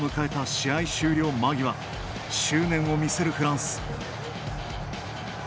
試合終了間際執念を見せるフランス。